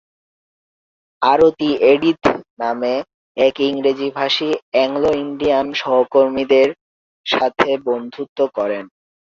আরতি Edith নামে এক ইংরেজিভাষী অ্যাংলো-ইন্ডিয়ান সহকর্মীর সঙ্গে বন্ধুত্ব করেন।